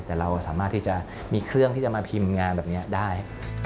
แต่เราสามารถที่จะมีเครื่องที่จะมาพิมพ์งานแบบนี้ได้